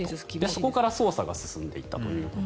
そこから捜査が進んでいったという。